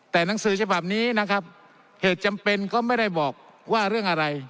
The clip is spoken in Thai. แต่หนังสือฉบับนี้นะครับเหตุจำเป็นก็ไม่ได้บอกว่าเรื่องอะไร